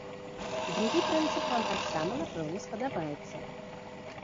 Другі прынцып вам таксама напэўна спадабаецца.